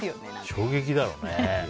衝撃だろうね。